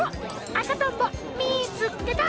あかとんぼみいつけた！